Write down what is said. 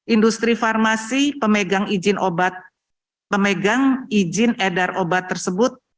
industri farmasi pemegang izin edar obat tersebut